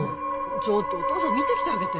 ちょっとお父さん見てきてあげて・